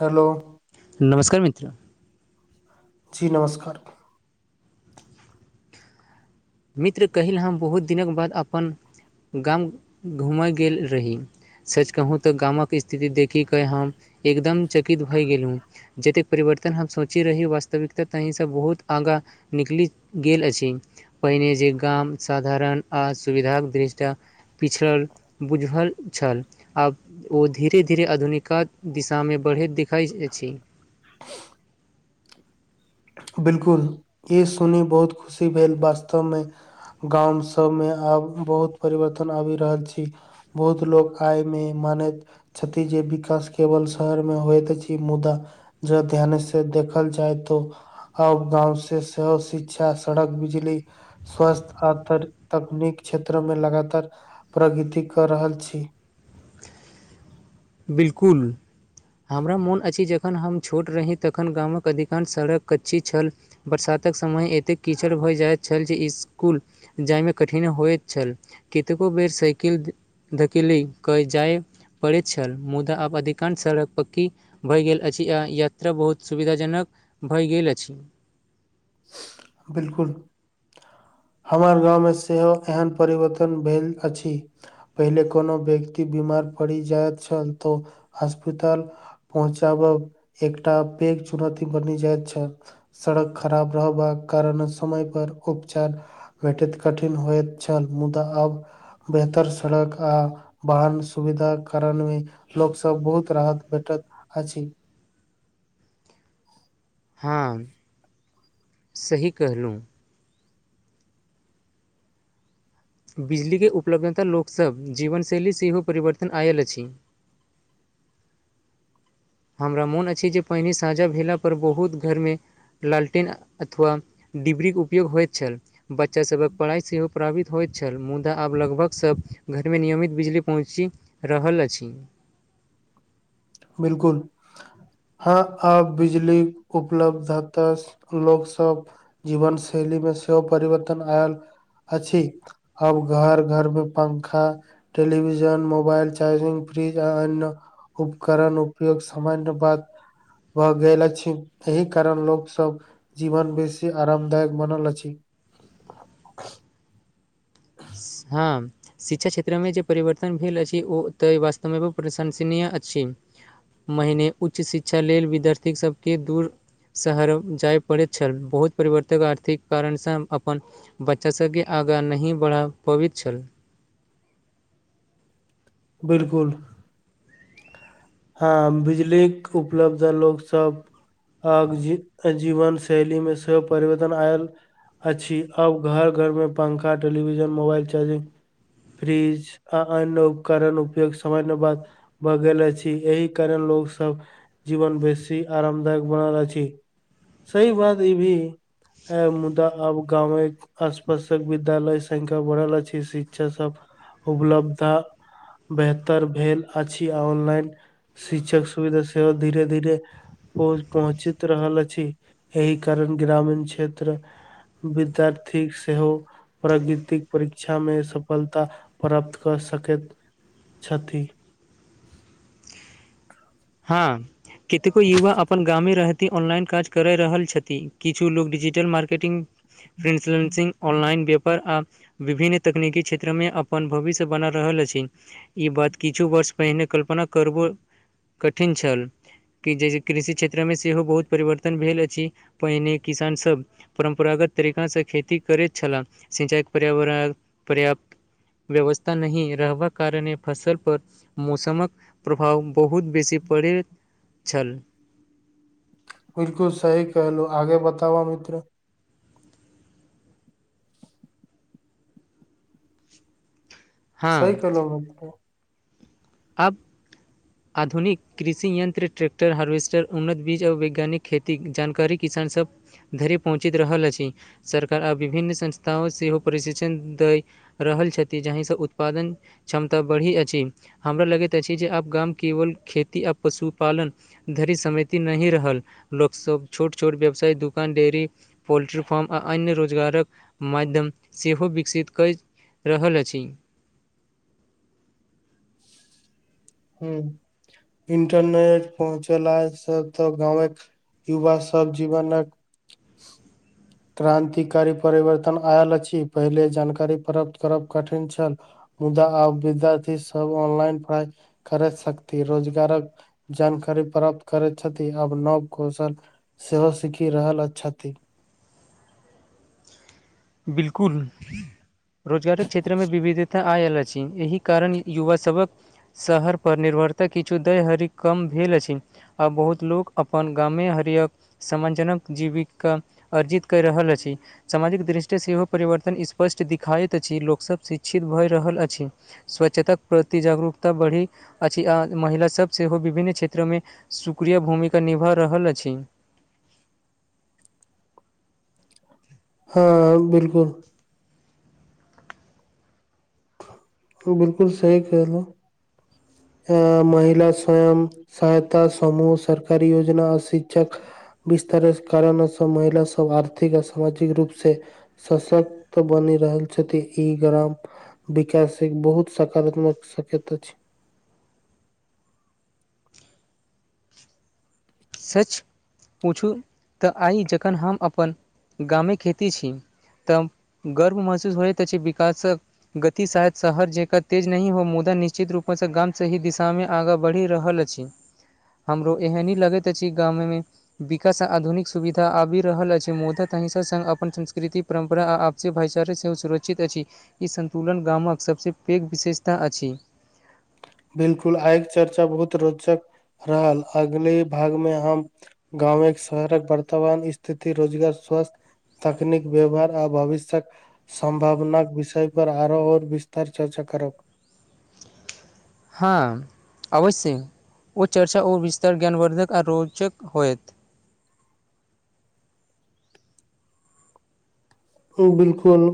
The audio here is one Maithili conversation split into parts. हेलो नमस्कार मित्र जी नमस्कार मित्र कैल्ह हम बहुत दिनक बाद अपन गाम घूमे गेल रही सच कहू त गामक स्थिति देखीक क हम एकदम चकित भए गेलउं जतेक परिवर्तन हम सोची रही वास्तविकता कहीं स बहुत आगाँ निकली गेल अछि पहिने जे गाम साधारण आ सुविधाक दृष्टटा पिछड़ल बुझल छल आब ओ धीरे धीरे आधुनिका दिशामे बढ़ैत दिखाइ अछि [unintelligible] बिल्कुल ई सुनी बहुत खुशी भेल वास्तव मे गाम सभमे आब बहुत परिवर्तन आबी रहल छी बहुत लोक आय मे मानैत छथी विकास केवल शहरमे होइत अछी मुदा ज ध्यान से देखल जाइ तो आ गाँव से सेहो शिक्षा सड़क बिजली स्वास्थ्य आ तर तकनीक क्षेत्र में लगातार प्रगति कर रहल छी बिल्कुल हमरा मोन अछी जे जखन हम छोट रही तखन गामक अधिकांश सड़क कच्ची छल बरसातक समय एतेक कीचड़ भ जाइत छल जे इस्कुल जायमे कठिन होइत छल कतेको बेर साइकिल धकेली जाय पड़ैत छल मुदा आब अधिकांश सड़क पक्की भऽ गेल अछि आ यात्रा बहुत सुविधाजनक भए गेल अछि बिलकुल हमर गाँवमे सेहो एहन परिवर्तन भेल अछि पहिेले कोनो व्यक्ति बीमार परी जाइत छल त हॉस्पिटल पहुँचाबब एकटा पैघ चुनौती बनी जाइत छल सड़क खराब रहबाक कारण समय पर उपचार भेटैत कठिन होइत छल मुदा आब बेहतर सड़क आ वाहन सुविधा कारणमे लोक सब बहुत राहत भेटत अछी हँ सही कहलहुँ बिजलीके उपलब्धता लोकसभ जीवनशैली सेहो परिवर्तन आयल अछि हमरा मोन अछि जे पानने सााँझा भेलापर बहुत घरमे लालटेन अथवा डिबरीके उपयोग होइत छल बच्चासभक पढ़ाइ सेहो प्रभावित होइत छल मुदा आब लगभग सभ घरमे नियमित बिजली पहुँची रहल अछि बिलकुल हँ आब बिजली उपलब्धत लोक सब जीवन शैली मे सेहो परिवर्तन आयल अछि अब घर घर मे पंखा टेलिविजन मोबाल चार्जिंग फ्रिज आ अन करण उपयोग सामान्य बात भऽ गेल अछि एहि कारण लोक सब जीवन बेसी आरामदायक बनल अछि हँ शिक्षा क्षेत्रमे जे परिवर्तन भेल अछि ओ तऽ वास्तव मे प्रशंसनीय अछि महिने उच्च शिक्षा लेल विद्यार्थी सभ के दूर शहर जाय पड़ैत छल बहुत परिवर्तक आर्थिक कारणसँ अपन बच्चा सबके आगाँ नहि बढ़ा पबैत छल बिलकुल हँ बिजलीके उपलब्ध लोकसभ आ जी जीवन शैली मे सेहो परिवर्तन आयल अछि अब घर घर मे पंखा टेलीविजन मोबाइल चार्जिंग फ्रिज आ अन्य उपकरण उपयोग समय बाद भए गेल अछि एहि कारण लोग सब जीवन बेसी आरामदायक बनल अछि सही बात ई भी अ मुदा अब गाँवमे आसपासक विद्यालय संख्या बढ़ल अछि शिक्षा सब उपलब्धा बेहतर भेल अछि ऑनलाइन शिक्षक सुविधा सेहो धीरे धीरे पहु पहुँचित रहल अछि एहि कारण ग्रामीण क्षेत्र विद्यार्थीक सेहो प्रगृतिक परीक्षा मे सफलता प्राप्त कऽ सकैत छथि हँ कतेको युवा अपन गामे रहतीे ऑनलाइन काज करय रहल छथिन किछु लोग डिजिटल मार्केटिंग [unintelligible] ऑनलाइन व्यापार आ विभिन्न तकनीकी क्षेत्रमे अपन भविष्य बना रहल अछि ई बात किछु वर्ष पहिने कल्पना करबो कठिन छल कि जैसे कृषि क्षेत्रमे सेहो बहुत परिवर्तन भेल अछि पहिने किसानसभ परम्परागत तरीकासँ खेती करैत छललाह सिंचाई पर्यावरण पर्य व्यवस्था नहि रहबाक कारणे फसल पर मौसमक प्रभाव बहुत बेसी पढ़ै छल बिल्कुल सही कहलहु आगे बतावब मित्र सही हँ, कहलो दम तऽ आब आधुनिक कृषि यन्त्र ट्रैकटर हार्वेस्टर उन्नत बीज आ वैज्ञानिक खेती जानकारी किसान सब धरि पहुँचैत रहल अछि सरकार आ विभिन्न संस्था सेहो प्रशिक्षण दै रहल छथि जहिसँ उत्पादन क्षमता बढ़ी अछि हमरा लगैत अछि जे आब गाम केवल खेती आ पशुपालन धरि समतिि नहि रहल लोकसभ छोट छोट व्यवसाय दुकान डेयरी पोल्ट्री फार्म आ अन्य रोजगारक माध्यम सेहो विकसित कऽ रहल अछि हू इंटरनेट पहुँचेलासँ से तो गांवक युवा सब जीवनक क्रान्तिकारी परिवर्तन आयल अछि पहिले जानकारी प्राप्त करब कठिन छल मुदा आब विद्यार्थी सब ऑनलाइन पढ़ाइ कर सकथि रोजगारक जानकारी प्राप्त करैत छथि आब नव कौशल सेहो सीखि रहल छथि बिल्कुल रोजगारक क्षेत्र मे विविधता आयल अछि एहि कारण युवासभक शहर पर निर्भरता किछु दैहरि कम भेल अछि आ बहुत लोक अपन गामे हरियक सम्मानजनक जीविकिका अर्जित कऽ रहल अछि सामाजिक दृष्टि सेहो परिवर्तन स्पष्ट देखिाइत अछि लोकसभ शिक्षित भऽ रहल अछि स्वच्छता प्रति जागरूकता बढ़ी अछि आ महिलाासभ सेहो विभिन्न क्षेत्रमे सुक्रिय भूमिका निभा रहल अछि हँ बिल्कुल ओ बिल्कुल सही कहलौ अ महिला स्वयं सहायता समूह सरकारी योजना आ शिक्षक विस्तार कारण सब महिला सब आर्थिक आ सामाजिक रूप से सशक्त बनि रहल छथि ई ग्राम विकास एक बहुत सकारात्मक सकत अछि सच पूछू तऽ आइ जखन हम अपन गामे खेती छी तऽ गर्व महसूस होइत अछि विकासक गति शायद शहर जका तेज नहि हो मुदा निश्चित रूपसँ गाम सही दिशामे आगाँ बढ़ि रहल अछि हमरो एहनी लगैत अछि गाम मे विकास आ आधुनिक सुविधा आबि रहल अछि मुदा तनी सा संग अपन संस्कृति परम्परा आ आपसी भाइचारे सेहो सुरक्षित अछि ई सन्तुलन गामक सभसँ पैघ विशेषता अछि बिलकुल आय कऽ चर्चा बहुत रोचक रहल अगली भागमे हम गाँव एक शहरक वर्तमान स्थिति रोजगार स्वस्थ तकनीक व्यवहार आ भविष्यक सम्भावनाक विषय पर आरो ओओर विस्तार चर्चा करक हँ अवश्य ओ चर्चा ओ विस्तार ज्ञानवर्द्धक आ रोचक होएत हुँ बिल्कुल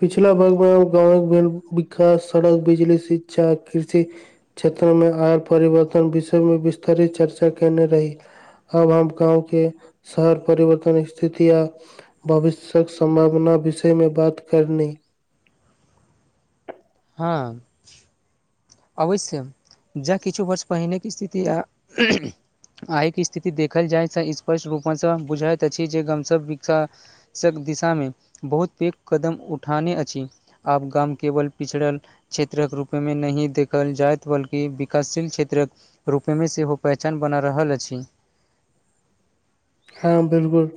पिछला वर मे गाँव भेल विकास सड़क बिजली शिक्षा कृषि क्षेत्र मे आय परिवर्तन विषय मे विस्तारित चर्चा केने रही अब हम गाँव केँ शहर परिवर्तन स्थिति या भविष्यक सम्भावना विषय मे बात करनी हँ अवश्य जा किछु वर्ष पहिने केँ स्थिति आ आहिकेँ स्थिति देखल जाय छै स्पष्ट रूपसँ बुझैत अछि जे गामसब विकसा सक दिशामे बहुत पैघ कदम उठाने अछि आब गाम केवल पिछड़ल क्षेत्रक रूपमे नहि दे खल जाइत बल्कि विकासशील क्षेत्रक रूपमे सेहो पहचान बना रहल अछी हँ बिलकुल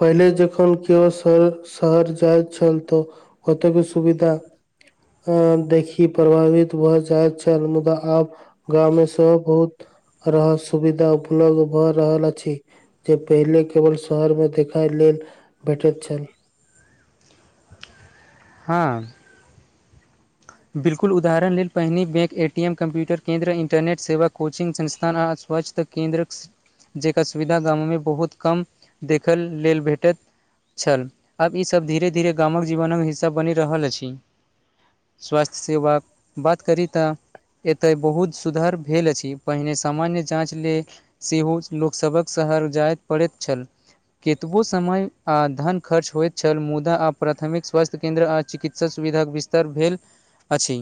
पहिले जखन केओ श - शहर जाइत छल तो ओतकेँ सुविधा अ देखि प्रभावित भऽ जाइत छल मुदा आब गांव मे सब बहुत रहस सुविधा उपलब्ध भऽ रहल अछि जे पहिले केवल शहरमे देखै लेल भेटैत छल हँ बिल्कुल उदाहरण लेल पहिने बैंक ए टीम कम्प्यूटर केन्द्रर इन्टरनेट सेवक कोचिंग संस्थान आ अस्वच्छ केन्द्र जेका सुविधा गाममे बहुत कम देखल लेल भेटैत छल आब ई सभ धीरे - धीरे गामक जीवनक हिस्सा बनी रहल अछि स्वास्थ्थ सेवाक बात करी तऽ एतैय बहुत सुधार भेल अछि पहिने सामान्य जाँच लेल सेहो लोक सभक शहर जाय पड़ैत छल केतबो समय आ धन खर्च होइत छल मुदा आ प्राथमिक स्वास्थ्य केन्द्र आ चिकित सा सुविधा केँ विस्तार भेल अछि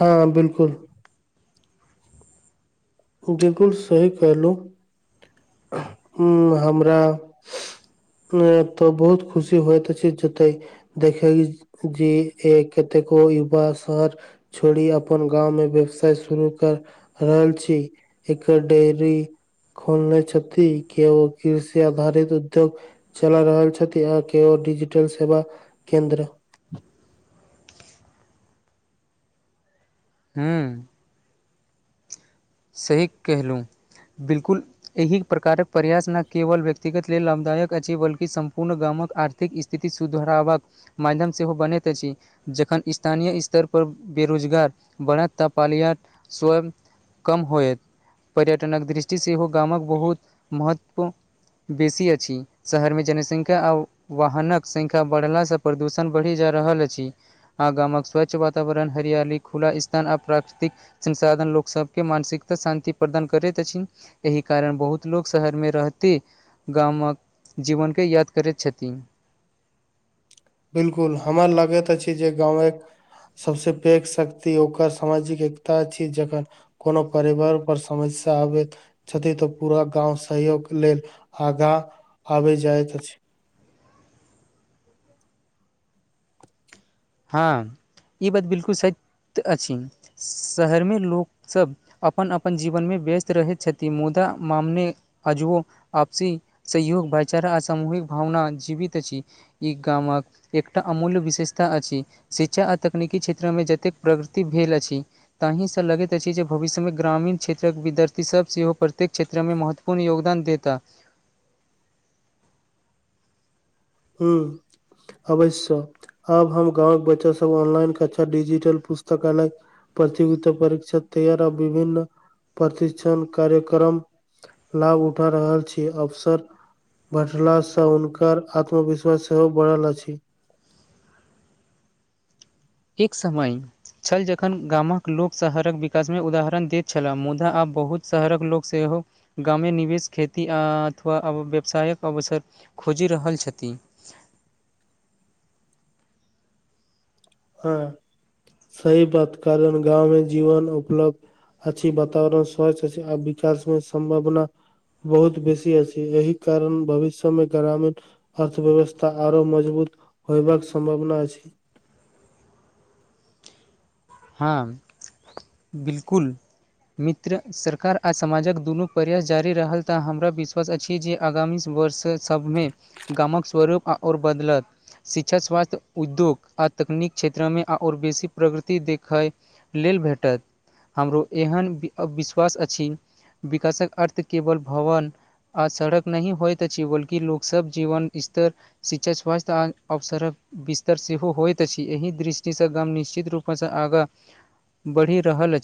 हँ बिलकुल बिल्कुल सही कहलहुँ उ हमरा मे एतय बहुत खुशी होइत अछी जतैय देखए जे ऐ कतेको युवा शहर छोरी अपन गाँवमे व्यवसाय शुरू कऽ रहल छी एकर डेरी खोलने छथि के ओ कृषि आधारित उद्योग चला रहल छथि आ केओ डिजिटल सेवा केन्द्र हूँ सही कैहलहुँ बिलकुल एही प्रकारक प्रयास नै केवल व्यक्तिगत लेल लाभदायक अछि बल्कि सम्पूर्ण गामक आर थिक स्थिति सुधराबक माध्यम सेहो बनैत अछी जखन स्थानीय स्तर पर बेरोजगार बढ़त पालियान स्वयं कम होयत पर्यटनक दृष्टि सेहो गामक बहुत महत्वपू बेसी अछी शहरमे जनसंख्या आ वाहनक संख्या बढ़लासँ प्रदूषण बढ़ी जा रहल अछी आ गामक स्वच्छ वातावरण हरियाली खुला स्थान आ प्राकृतिक संसाधन लोक सब के मानसिकता शान्ति प्रदान करैत अछी एहि कारण बहुत लोक शहर मे रहती गामक जीवन के याद करैत छथिन बिलकुल हमरा लागैत अछि जे गामक सबस पैघ शक्ति ओकर सामाजिक एकता अछै जखन कोनो परिवार पर समस्या आबैत छथी त पूरा गाँंव सहयोगके लेल आंगा आबी जाइत अछी हँ ई बात बिलकुल सैत अछी शहरमे लोकसभ अपन अपन जीवनमे व्यस्त रहैत छथी मुदा मामने अजबो आपसी सहयोग भाईचारा आ सामूहिक भावना जीवित अछी ई गामक एकटा अमूल्य विशेषता अछी शिक्षा आ तकनीकी क्षेत्र मे जतेक प्रगति भेल अछी ताहीसँ लगैत अछि जे भविष्यमे ग्रामीण क्षेत्रक विदारथी सभ सेहो प्रत्येक क्षेत्रमे महत्व पुन्य योगदान देता हू अवश्य आब हम गाँवक बच्चा सब ऑनलाइन कक्षा डिजिटल पुस्तकालय प्रतियोगिता परीक्षा तैयार आ विभन्न प्रशिक्षण कार्यक्रम लाभ उठा रहल छी अवसर बढ़लासँ हुनकर आत्मविश्वास सेहो बढ़ल अछि एक समय छल जखन गामक लोक शहरक विकासमे उदाहरण दैत छला मुदा आब बहुत शहरक लोक सेहो गामे निवेश खेती आ अथवा व्यवसायके अवसर खोजी रहल छथी हँ सही बात कारण ग्रामक जीवन उपलब्ध अछि वातावरण स्वस्थ अछि आ विकास मे सम्भावना बहुत बेसी अछी एही कारण भविष्य मे ग्रामीण अर्थ व्यवस्था आरो मजबूत होयबाक सम्भावना अछि हँ बिल्कुल मित्र सरकार आ समाजक दुनू प्रयास जारी रहल तऽ हमरा विश्वास अछि जे आगामी वर्ष तैय सबमे गामक स्वरूप आओर बदलत शिक्षा स्वास्थ्य उद्योग आ तकनीक क्षेत्रमे आओर बेसी प्रगति देख खाय लेल भेटत हमरो एहन विश्वास अछि विकासक अर्थ केवल भवन आ सड़क नहि होयत अछि बल्कि लोक सब जीवन स्तर शिक्षा स्वास्थ्य आ अवसरक विस्तर सेहो होइत अछि एहि दृष्टिसँ गाम निश्चित रूपस त आगाँ बढ़ि रहल अछि